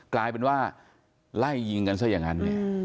กลายเป็นว่าไล่ยิงกันซะอย่างนั้นเนี่ย